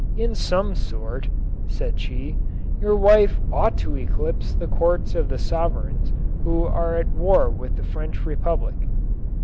" In some sort," said she, "your wife ought to eclipse the courts of the sovereigns who are at war with the French Republic."